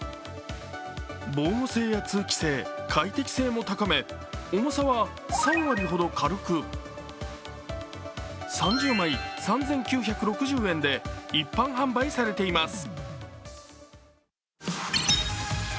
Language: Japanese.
防護性や通気性、快適性も高め重さは３割ほど軽く、３０枚３９６０円で一般販売されています。